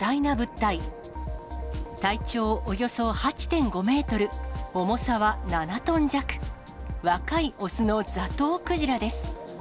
体長およそ８．５メートル、重さは７トン弱、若い雄のザトウクジラです。